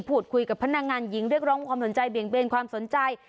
พูดคุยกับพนักงานหญิงเรียกร้องความสนใจเบี่ยงเบนความสนใจ